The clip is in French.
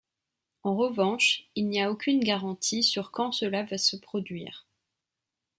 En revanche, il n'y a aucune garantie sur quand cela va se produire.